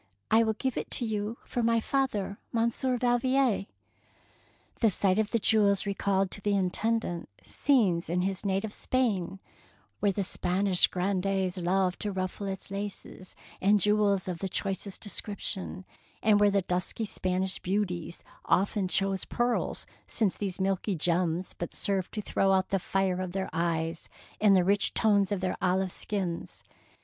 I will give it to you for my father, Monsieur Valvier.'^ The sight of the jewels recalled to the Intendant scenes in his native Spain, where the Spanish grandees 217 DEEDS OF DAEING loved to ruffle it in laces and jewels of the choicest description, and where the dusky Spanish beauties often chose pearls, since these milky gems but served to throw out the fire of their eyes and the rich tones of their olive skins.